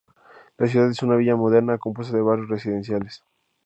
La ciudad es una villa moderna compuesta de barrios residenciales.